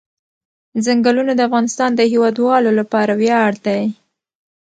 ځنګلونه د افغانستان د هیوادوالو لپاره ویاړ دی.